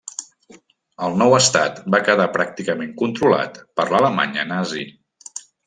El nou estat va quedar pràcticament controlat per l'Alemanya nazi.